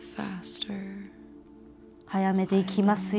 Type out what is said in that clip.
速めていきますよ